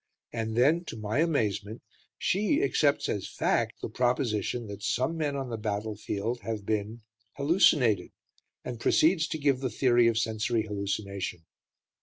And then, to my amazement, she accepts as fact the proposition that some men on the battlefield have been "hallucinated," and proceeds to give the theory of sensory hallucination.